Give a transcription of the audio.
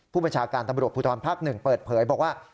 ผู้ประชาการตำรวจผู้ทรวมภาคหนึ่งเปิดเผยบอกว่า